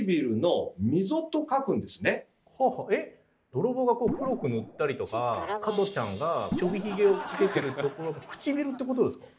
泥棒がこう黒く塗ったりとか加トちゃんがちょびヒゲをつけてるところくちびるってことですか？